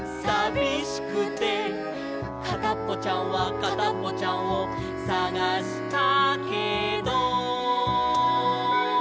「かたっぽちゃんはかたっぽちゃんをさがしたけど」